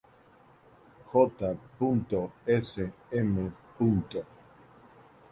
J. Sm.